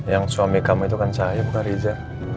yang suami kamu itu kan cahaya bukan riza